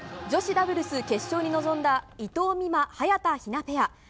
女子ダブルス決勝に臨んだ伊藤美誠、早田ひなペア。